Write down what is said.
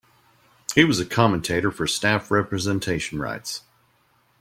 He was a commentator for staff representation rights.